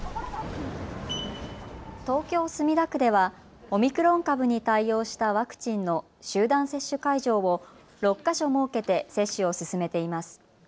東京墨田区ではオミクロン株に対応したワクチンの集団接種会場を６か所設けて接種を進めています。